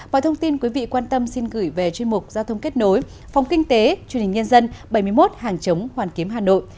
mọi thông tin quý vị quan tâm xin gửi về chuyên mục giao thông kết nối phòng kinh tế truyền hình nhân dân bảy mươi một hàng chống hoàn kiếm hà nội